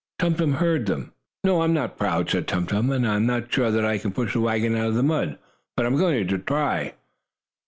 Tum Tum heard them. "No, I am not proud," said Tum Tum, "and I am not sure that I can push the wagon out of the mud, but I am going to try."